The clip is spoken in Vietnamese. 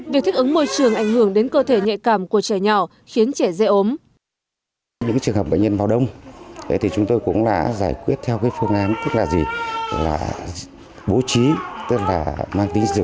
việc thích ứng môi trường ảnh hưởng đến cơ thể nhạy cảm của trẻ nhỏ khiến trẻ dễ ốm